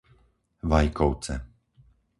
Vajkovce